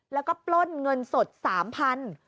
แล้วก็ปล้นเงินสด๓๐๐บาท